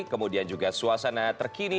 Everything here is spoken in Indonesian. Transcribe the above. kemudian juga suasana terkini